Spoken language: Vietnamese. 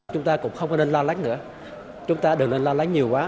chúng ta cũng không nên lo lắng nữa chúng ta đừng nên lo lắng nhiều quá